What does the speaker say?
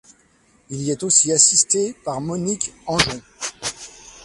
Il y est aussi assisté par Monique Angeon.